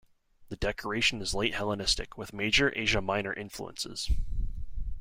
The decoration is late hellenistic, with major Asia Minor influences.